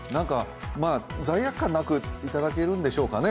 罪悪感なくいただけるんでしょうかね